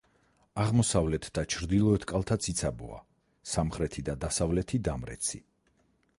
აღმოსავლეთ და ჩრდილოეთ კალთა ციცაბოა, სამხრეთი და დასავლეთი დამრეცი.